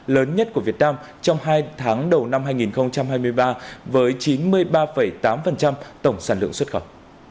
lớn nhất của việt nam trong hai tháng đầu năm hai nghìn hai mươi ba với chín mươi ba tám tổng sản lượng xuất khẩu